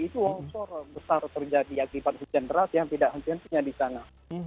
itu longsor besar terjadi akibat hujan deras yang tidak henti hentinya di sana